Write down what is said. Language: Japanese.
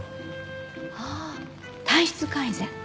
ああ体質改善。